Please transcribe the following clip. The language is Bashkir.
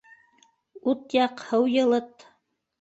Ут яҡ, һыу йылыт!